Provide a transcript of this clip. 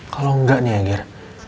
kalau enggak nih agir